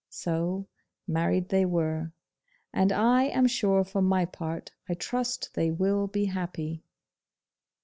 So, married they were, and I am sure for my part I trust they will be happy.